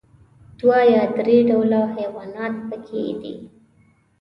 دوه یا درې ډوله حيوانات پکې دي.